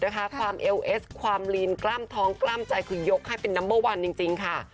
ความเอลเอสความลีนกล้ามท้องกล้ามใจคือยกให้เป็นนัมเบอร์วันจริงค่ะ